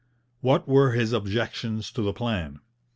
What were his objections to the plan?